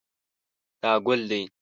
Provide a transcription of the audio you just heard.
دا ګل دی